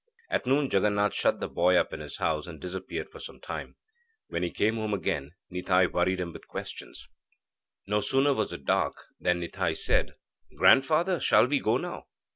At noon, Jaganath shut the boy up in his house, and disappeared for some time. When he came home again, Nitai worried him with questions. No sooner was it dark than Nitai said: 'Grandfather, shall we go now?'